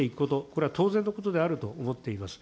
これは当然のことであると思っております。